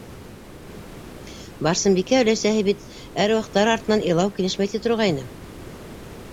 Барсынбикә өләсәһе бит, әруахтар артынан илау килешмәй, ти торғайны...